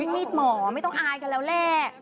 มีดหมอไม่ต้องอายกันแล้วแหละ